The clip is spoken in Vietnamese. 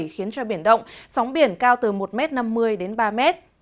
khiến cho biển động sóng biển cao từ một năm mươi đến ba m